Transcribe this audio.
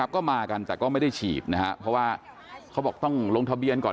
ก็มากันแต่ก็ไม่ได้ฉีดนะครับเพราะว่าเขาบอกต้องลงทะเบียนก่อน